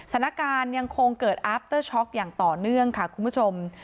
สถานการณ์ยังคงเกิดอัพเตอร์ช็อกอย่างต่อเนื่องค่ะคุณผู้ชม